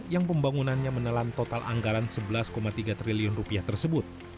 yang pembangunannya menelan total anggaran rp sebelas tiga triliun rupiah tersebut